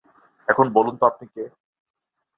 এখন বলুন তো, আপনি কে?